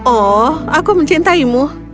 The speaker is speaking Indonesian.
oh aku mencintaimu